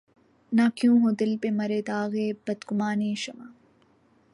نہ کیوں ہو دل پہ مرے داغِ بدگمانیِ شمع